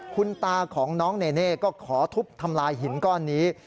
คุณตาของน้องเนเน่ก็ขอทุบทำลายหินก้อนนี้